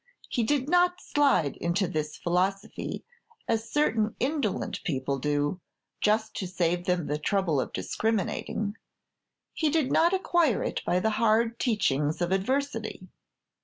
He did not slide into this philosophy, as certain indolent people do, just to save them the trouble of discriminating; he did not acquire it by the hard teachings of adversity.